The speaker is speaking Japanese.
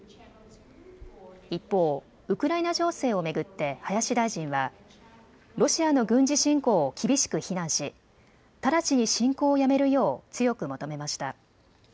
一方、ウクライナ情勢を巡って林大臣はロシアの軍事侵攻を厳しく非難し、直ちに侵攻をやめるよう強く求めました。